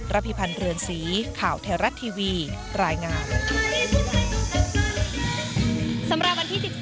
พิพันธ์เรือนสีข่าวไทยรัฐทีวีรายงาน